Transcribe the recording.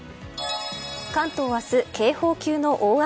関東は明日、警報級の大雨。